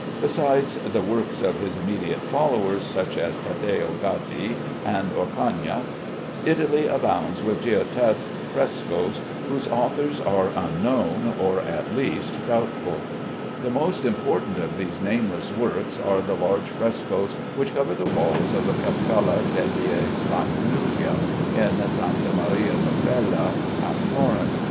Besides the works of his immediate followers, such as Taddeo Gaddi and Orcagna, Italy abounds with Giottesque frescoes, whose authors are unknown, or at least doubtful. The most important of these nameless works are the large frescoes which cover the walls of the Capella degli Spagnuoli, in Sta. Maria Novella at Florence.